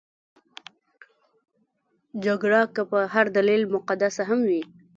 جګړه که په هر دلیل مقدسه هم وي.